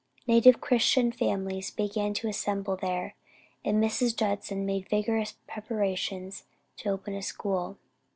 Native Christian families began to assemble there, and Mrs. Judson made vigorous preparations to open a school.